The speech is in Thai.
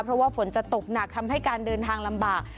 เพราะว่าฝนจะตกหนักทำให้การเดินทางลำบาก